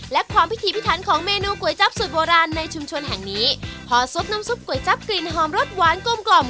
และความพิธีพิทันของเมนูก๋วยจับสูตรโบราณในชุมชนแห่งนี้พอซดน้ำซุปก๋วยจับกลิ่นหอมรสหวานกลมกล่อม